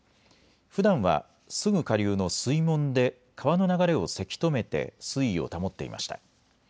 ふだんはすぐ下流の水門で川の流れをせき止めて水位を保っていました。